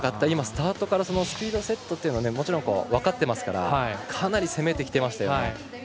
今、スタートからスピードセットというのはもちろん、分かってますからかなり攻めてきていましたよね。